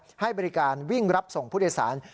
ให้บริการวิ่งรับส่งผู้โดยสาร